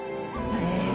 へえ。